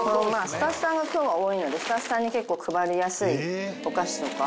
スタッフさんが今日は多いのでスタッフさんに結構配りやすいお菓子とか。